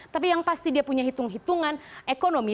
tapi yang pasti dia punya hitung hitungan ekonomi